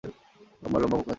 লম্বার লম্বা কোঁকড়া চুল!